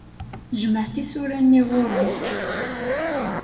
Jmeɛ tisura-nni ɣur-m.